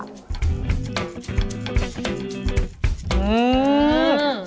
อืม